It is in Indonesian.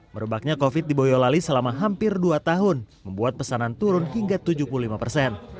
merebaknya covid di boyolali selama hampir dua tahun membuat pesanan turun hingga tujuh puluh lima persen